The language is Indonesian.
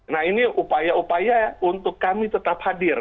nah ini upaya upaya untuk kami tetap hadir